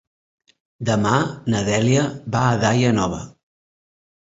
Demà na Dèlia va a Daia Nova.